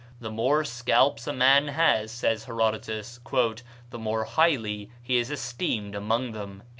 "The more scalps a man has," says Herodotus, "the more highly he is esteemed among them."